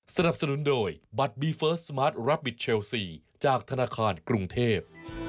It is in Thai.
สนับสนุนโดยบัตรบีเฟิร์สสมาร์ทรับบิทเชลซีจากธนาคารกรุงเทพ